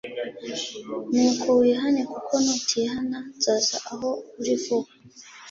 Nuko wihane kuko nutihana nzaza aho uri vuba,